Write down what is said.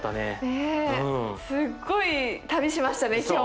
すっごい旅しましたね